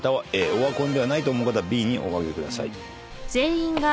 オワコンではないと思う方はＢにお挙げください。